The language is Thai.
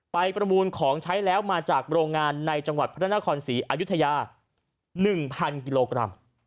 ประมูลของใช้แล้วมาจากโรงงานในจังหวัดพระนครศรีอายุทยา๑๐๐กิโลกรัม